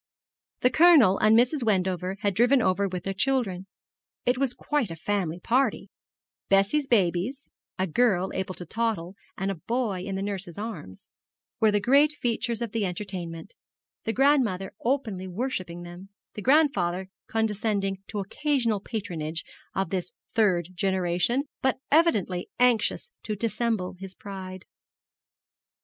The Colonel and Mrs. Wendover had driven over with their children. It was quite a family party Bessie's babies, a girl able to toddle, and a boy in the nurse's arms, were the great features of the entertainment, the grandmother openly worshipping them, the grandfather condescending to occasional patronage of this third generation, but evidently anxious to dissemble his pride.